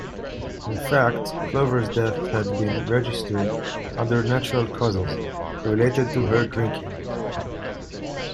In fact, Clover's death had been registered under natural causes, related to her drinking.